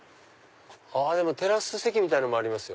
あテラス席みたいのもありますよ。